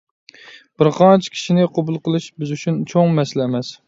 بىرقانچە كىشىنى قوبۇل قىلىش بىز ئۈچۈن چوڭ مەسىلە ئەمەس.